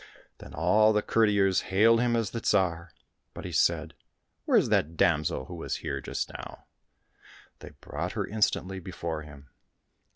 Then all the courtiers hailed him as the Tsar, but he said, " Where is that damsel who was here just now ?"— They brought her instantly before him.